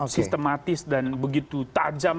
sistematis dan begitu tajam